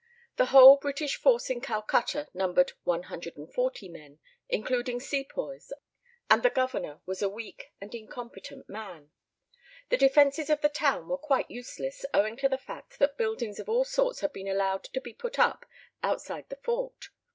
The whole British force in Calcutta numbered 140 men, including sepoys, and the governor was a weak and incompetent man. The defences of the town were quite useless owing to the fact that buildings of all sorts had been allowed to be put up outside the fort.